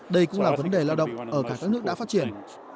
đây cũng là vấn đề lao động ở cả các nước đã phát triển